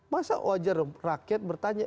masa wajar rakyat bertanya